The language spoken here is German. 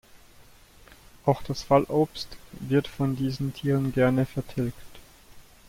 Auch das Fallobst wird von diesen Tieren gerne vertilgt.